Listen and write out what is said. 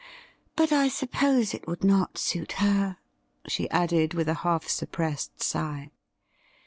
But I suppose it would not suit her,' she added, with a half suppressed sigh.